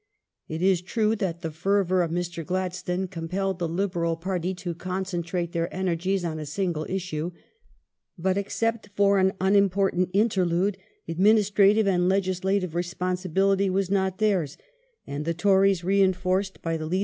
It is true that the fervour of Mr. Gladstone compelled the Liberal Party to concentrate their energies on a single issue. But except for an unimportant interlude administrative and legislative responsibility was not theirs, and the Tories, reinforced by the leader of the Lord George Hamilton (India), Sir M.